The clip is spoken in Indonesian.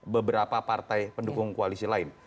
beberapa partai pendukung koalisi lain